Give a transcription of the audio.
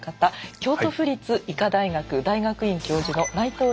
京都府立医科大学大学院教授の内藤裕二さんです。